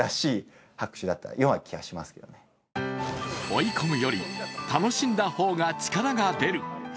追い込むより、楽しんだ方が力が出る。